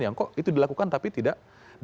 yang kok itu dilakukan tapi tidak